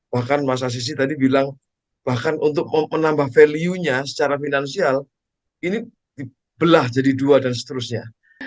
bahkan masa sisi tadi bilang bahkan untuk menambah value nya secara finansial ini dibelah jadi dua dan seterusnya